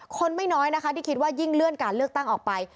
คนไม่น้อยนะคะที่คิดว่ายิ่งเลื่อนการเลือกตั้งออกไป